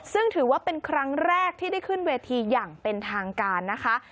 ซึ่งถือว่าเป็นครั้งแรกที่ได้ขึ้นเวทีอย่างเป็นทางการนะคะ